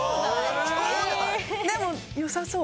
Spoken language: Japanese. でもよさそう。